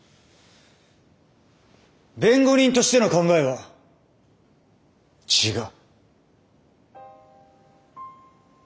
弁護人としての考えは違う。